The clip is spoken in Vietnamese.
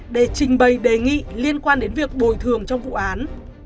để trình bày đề nghị liên quan đến việc bồi thường trong vụ án